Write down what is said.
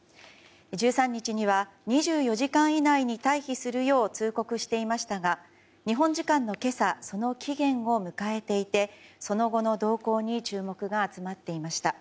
１３日には２４時間以内に退避するよう通告していましたが日本時間の今朝その期限を迎えていてその後の動向に注目が集まっていました。